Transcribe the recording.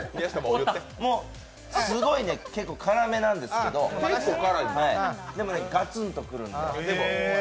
すごいね、結構辛めなんですけど、でもガツンとくるんです。